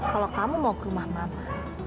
kalau kamu mau ke rumah mama